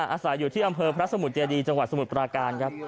อาศัยอยู่ที่อำเภอพระสมุทรเจดีจังหวัดสมุทรปราการครับ